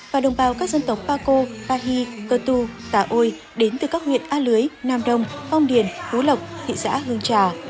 và đồng bào các dân tộc paco pahi cơ tu tà ôi đến từ các huyện a lưới nam đông phong điền hú lộc thị xã hương trà